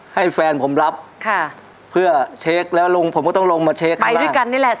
ให้แฟนผมรับเพื่อเช็คแล้วลงผมก็ต้องลงมาเช็คข้างหน้า